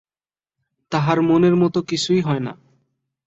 তাহার মনের মতো কিছুই হয় না।